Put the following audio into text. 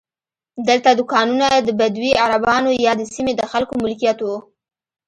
دلته دوکانونه د بدوي عربانو یا د سیمې د خلکو ملکیت وو.